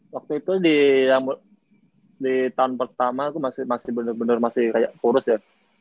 waktu itu di tahun pertama gue masih bener bener kayak kurus ya